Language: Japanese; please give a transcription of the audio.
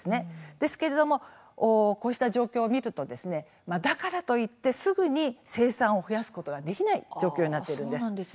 ですけれどもこうした状況を見るとだからといって、すぐに生産を増やすことができない状況になっているんです。